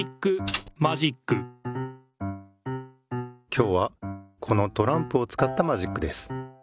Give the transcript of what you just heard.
今日はこのトランプをつかったマジックです。